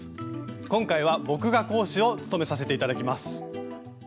今回は僕が講師を務めさせて頂きます。